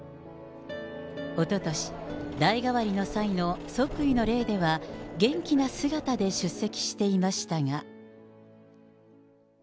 おととし、代替わりの際の即位の礼では、元気な姿で出席していましたが。